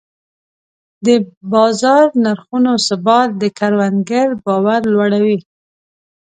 د بازار نرخونو ثبات د کروندګر باور لوړوي.